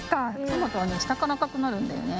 トマトはねしたからあかくなるんだよね。